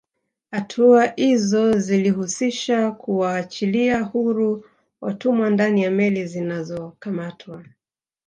Hatua izo zilihusisha kuwaachilia huru watumwa ndani ya meli zinazokamatwa